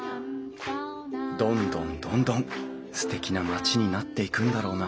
どんどんどんどんすてきな町になっていくんだろうな